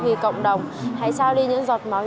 vì cộng đồng hãy trao đi những giọt máu